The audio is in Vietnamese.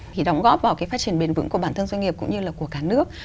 thì đóng góp vào cái phát triển bền vững của bản thân doanh nghiệp cũng như là của cả nước